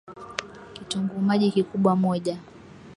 Kitunguu maji Kikubwa moja